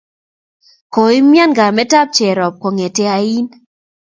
Kogomian kametab Jerop ong'ete ain.